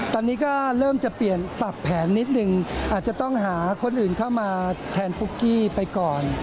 ตอนนี้ก็เริ่มจะเปลี่ยนปรับแผนนิดนึงอาจจะต้องหาคนอื่นเข้ามาแทนปุ๊กกี้ไปก่อน